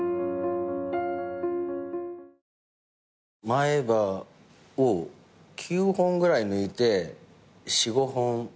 前歯を９本ぐらい抜いて４５本削って。